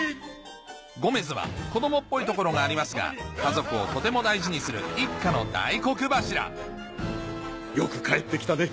ゴメズは子供っぽいところがありますが家族をとても大事にする一家の大黒柱よく帰って来たね。